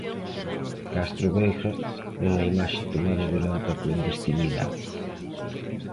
Castro Veiga, nunha imaxe tomada durante a clandestinidade.